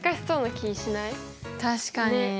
確かにね。